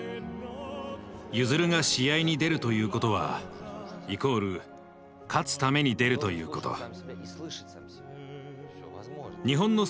ユヅルが試合に出るということはイコール勝つために出るということ。